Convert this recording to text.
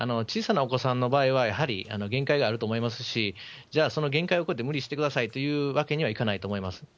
小さなお子さんの場合はやはり限界があると思いますし、じゃあ、その限界を超えて無理してくださいというわけにはいかないと思います。